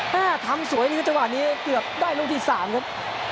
แพทย์ทำสวยในจังหวัดนี้เกือบได้ลงที่สามครับ